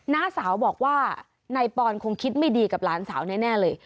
น้าสาวบอกว่านายปอนคงคิดไม่ดีกับหลานสาวแน่เลย